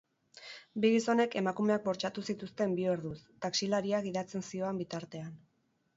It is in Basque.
Bi gizonek emakumeak bortxatu zituzten bi orduz, taxilaria gidatzen zihoan bitartean.